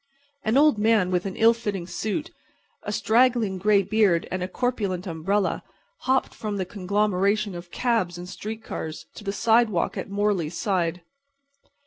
An old man with an ill fitting suit, a straggling gray beard and a corpulent umbrella hopped from the conglomeration of cabs and street cars to the sidewalk at Morley's side.